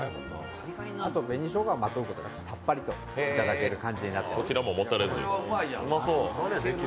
あと、紅しょうがをまとうことでさっぱりといただける感じになっています。